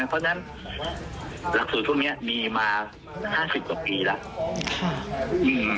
เพราะฉะนั้นหลักสูตรพวกนี้มีมา๕๐กว่าปีแล้ว